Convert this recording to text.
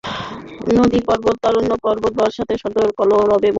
নদী-পর্বত-অরণ্য-প্রান্তর বর্ষাকে সাদর কলরবে বন্ধু বলিয়া আহ্বান করে।